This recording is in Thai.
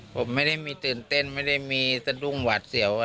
ผมไม่ได้มีตื่นเต้นไม่ได้มีสะดุ้งหวาดเสียว